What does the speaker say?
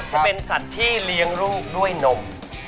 จะเป็นสัตว์ที่เลี้ยงลูกด้วยนม